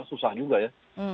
susah juga ya